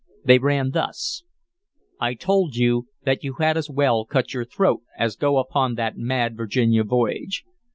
They ran thus: "I told you that you had as well cut your throat as go upon that mad Virginia voyage.